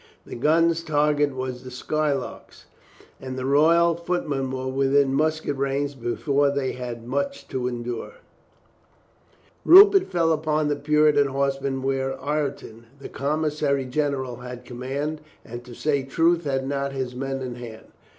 The guns' target was the sky larks, and the Royalist footmen were within musket range before they had much to endure. 324 COLONEL GREATHEART Rupert fell upon the Puritan horsemen where Ireton, the commissary general, had command, and to say truth had not his men in hand.